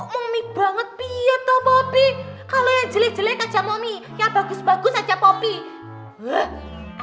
kok momi banget biat toh poppy kalau yang jelek jelek aja momi yang bagus bagus aja poppy